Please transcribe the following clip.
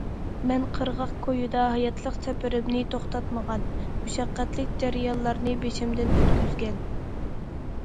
مەن قىرغاق كويىدا ھاياتلىق سەپىرىمنى توختاتمىغان، مۇشەققەتلىك جەريانلارنى بېشىمدىن ئۆتكۈزگەن.